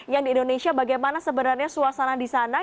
yang di indonesia bagaimana sebenarnya suasana di sana